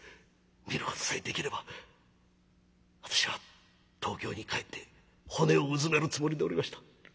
見ることさえできれば私は東京に帰って骨をうずめるつもりでおりました。